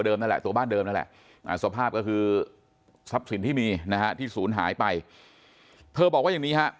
เดิมและสภาพคือทรัพย์สินที่มีที่สูญหายไปเธอบอกว่า